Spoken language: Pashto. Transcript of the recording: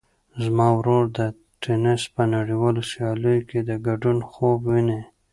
زما ورور د تېنس په نړیوالو سیالیو کې د ګډون خوب ویني.